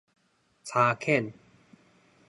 柴犬